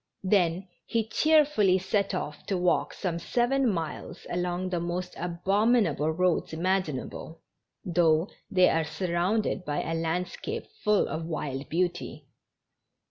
Then he cheerfully set off to walk some seven miles along the most abominable roads imaginable, though they are surrounded by a landscape full of wild beauty.